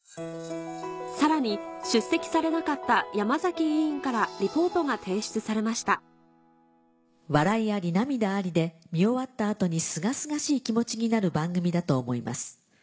さらに出席されなかった山崎委員からリポートが提出されました「笑いあり涙ありで見終わった後にすがすがしい気持ちになる番組だと思います。